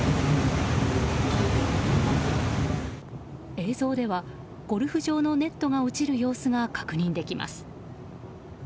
映像では、ゴルフ場のネットが落ちる様子が確認できます。